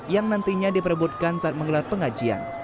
yang nantinya diperbutkan saat mengelar pengajian